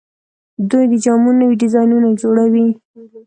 دوی د جامو نوي ډیزاینونه جوړوي.